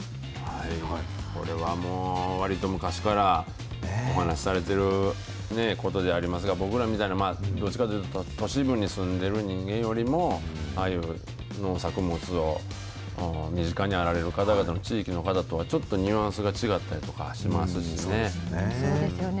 これはもう、わりと昔からお話しされてることでありますが、僕らみたいな、どっちかというと、都市部に住んでる人間よりも、ああいう農作物を身近にあられる地域の方とちょっとニュアンスがそうですよね。